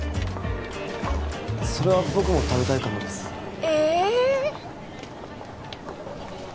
あっそれは僕も食べたいかもですえっ